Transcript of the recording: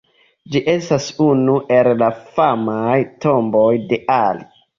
Ĝi estas unu el la famaj tomboj de Ali.